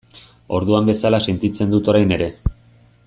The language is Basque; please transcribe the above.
Orduan bezala sentitzen dut orain ere.